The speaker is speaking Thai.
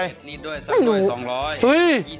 ไม่รู้อุ้ย